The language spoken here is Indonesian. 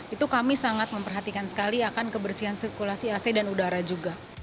itu kami sangat memperhatikan sekali akan kebersihan sirkulasi ac dan udara juga